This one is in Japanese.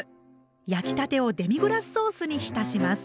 焼きたてをデミグラスソースにひたします。